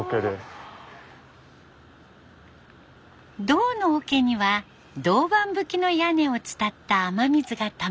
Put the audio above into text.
銅のおけには銅板葺きの屋根を伝った雨水がたまります。